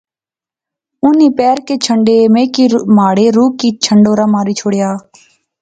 انیں پیر کہہ جھنڈے میں کی مہاڑے روح کی چھنڈوڑا ماری شوڑیا